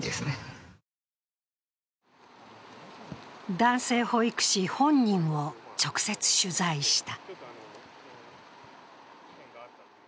男性保育士本人を直接取材した。